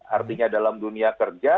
artinya dalam dunia kerja